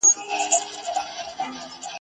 ړنګول مي معبدونه هغه نه یم ..